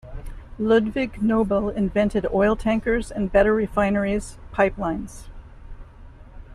Ludvig Nobel invented oil tankers, and better refineries, pipelines.